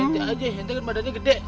hentai hentai kan badannya gede